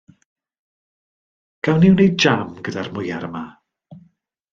Gawn ni wneud jam gyda'r mwyar yma?